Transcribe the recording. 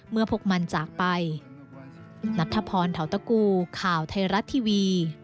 เมื่อพกมันจากไป